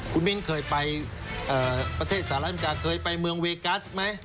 คุณมิ้นเคยไปประเทศสหรัฐอเมริกาเคยไปเมืองเวกัสไหม